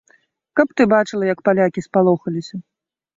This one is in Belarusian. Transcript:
Каб ты бачыла, як палякі спалохаліся?